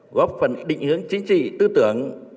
góp phần định hướng chính trị tư tưởng